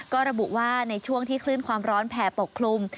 ก็ระบุว่าในช่วงที่คลื่นความร้อนแผ่ปกคลุม